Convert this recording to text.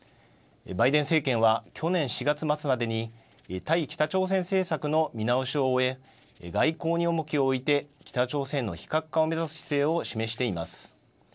バイデン政権は去年４月末までに対北朝鮮政策の見直しを終え外交に重きを置いて北朝鮮の非核化を目指す姿勢を示しています。